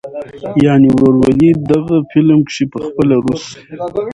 يعنې "وروولي". دغه فلم کښې پخپله روس